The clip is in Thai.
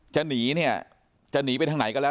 จะหนีเป็นทางไหนก็แล้ว